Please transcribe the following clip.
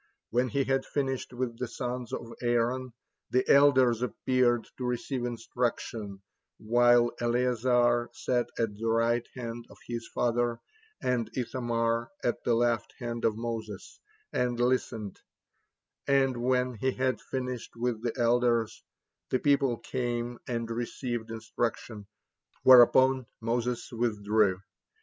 When he had finished with the sons of Aaron, the elders appeared to receive instruction, while Eleazar sat at the right hand of his father, and Ithamar at the left hand of Moses, and listened; and when he had finished with the elders, the people came and received instruction, whereupon Moses withdrew.